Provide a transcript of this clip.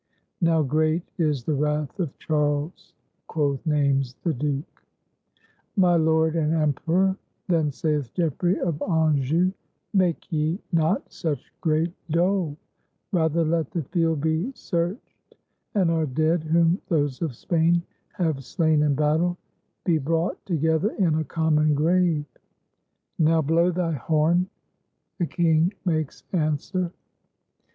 ''Now great is the wrath of Charles," quoth Naymes the Duke. "My lord and Emperor," then saith Geoffrey of An joa, "make ye not such great dole; rather let the field be searched and our dead, whom those of Spain have slain in battle, be brought together in a common grave." "Now, blow thy horn," the king makes answer.